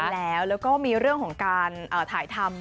แล้วก็มีเรื่องของการถ่ายทำ